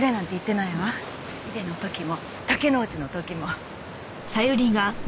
井出の時も竹之内の時も。